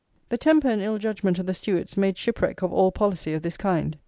The temper and ill judgment of the Stuarts made shipwreck of all policy of this kind.